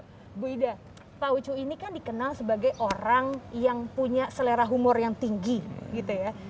ibu ida pak ucu ini kan dikenal sebagai orang yang punya selera humor yang tinggi gitu ya